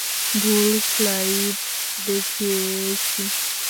ভুল স্লাইড দেখিয়েছি।